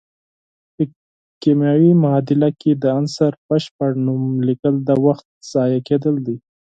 په کیمیاوي معادله کې د عنصر بشپړ نوم لیکل د وخت ضایع کیدل دي.